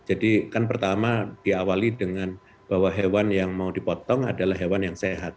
kan pertama diawali dengan bahwa hewan yang mau dipotong adalah hewan yang sehat